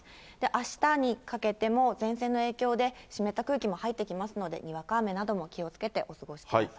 あしたにかけても前線の影響で、湿った空気も入ってきますので、にわか雨なども気をつけてお過ごしください。